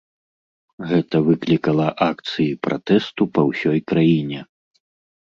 Гэта выклікала акцыі пратэсту па ўсёй краіне.